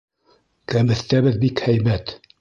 Кәбеҫтәбеҙ бик һәйбәт!